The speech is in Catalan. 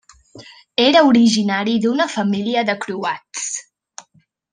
Era originari d'una família de croats.